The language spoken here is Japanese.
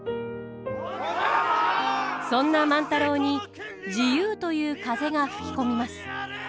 そんな万太郎に自由という風が吹き込みます。